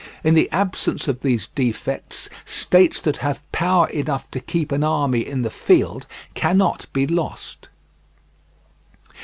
In the absence of these defects states that have power enough to keep an army in the field cannot be lost.